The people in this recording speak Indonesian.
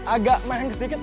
agak mengges dikit